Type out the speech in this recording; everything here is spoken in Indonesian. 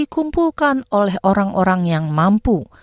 kepada orang orang yang mampu